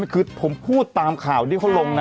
คือผมพูดตามข่าวที่เขาลงนะ